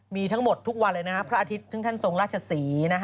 มีทั้งหมดทุกวันเลยนะครับพระอาทิตย์ซึ่งท่านทรงราชศรี